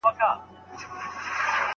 زړه مي د ناړيو د کار څخه ستړی دی .